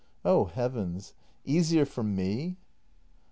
Oh Heavens — easier for me